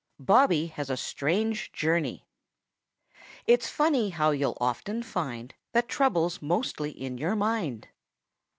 BOBBY HAS A STRANGE JOURNEY Its funny how you'll often find That trouble's mostly in your mind.